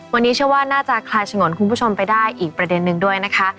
วันนี้เชื่อว่าน่าจะคลายฉงนคุณผู้ชมไปได้อีกประเด็นนึงด้วยนะคะ